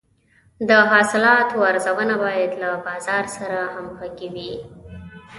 د حاصلاتو ارزونه باید له بازار سره همغږې وي.